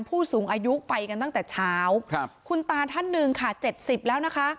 ผู้สูงอายุไปกันตั้งแต่เช้าครับคุณตาท่านหนึ่งค่ะเจ็ดสิบแล้วนะคะ